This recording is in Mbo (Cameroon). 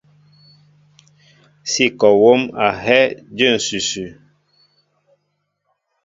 Sí kɔ wóm a hɛ́ɛ́ jə̂ ǹsʉsʉ.